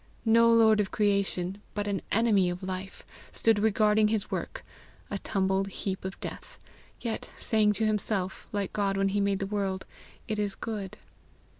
No lord of creation, but an enemy of life, stood regarding his work, a tumbled heap of death, yet saying to himself, like God when he made the world, "It is good."